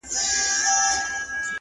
یو څه ستا فضل یو څه به دوی وي،